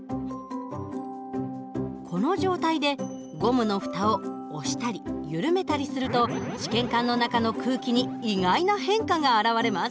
この状態でゴムの蓋を押したり緩めたりすると試験管の中の空気に意外な変化が表れます。